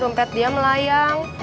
dompet dia melayang